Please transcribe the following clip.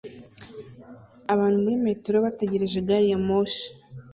Abantu muri metero bategereje gari ya moshi